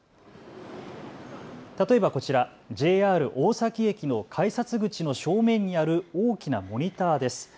例えばこちら、ＪＲ大崎駅の改札口の正面にある大きなモニターです。